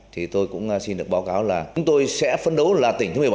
thì tôi cũng xin được báo cáo là chúng tôi sẽ phấn đấu là tỉnh thứ một mươi bảy hoặc là một mươi tám